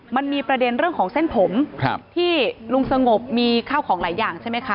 มันมีประเด็นเรื่องของเส้นผมที่ลุงสงบมีข้าวของหลายอย่างใช่ไหมคะ